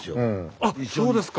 あっそうですか。